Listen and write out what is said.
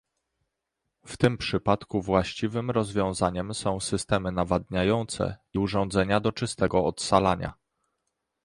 W tym przypadku właściwym rozwiązaniem są systemy nawadniające i urządzenia do czystego odsalania